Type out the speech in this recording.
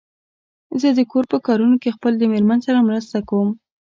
زه د کور په کارونو کې خپل د مېرمن سره مرسته کوم.